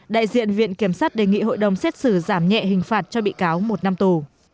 đại diện viện kiểm sát đề nghị hội đồng xét xử giảm nhẹ hình phạt cho bị cáo một năm tù